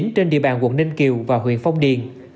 trên địa bàn quận ninh kiều và huyện phong điền